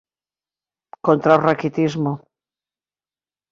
Contra o raquitismo.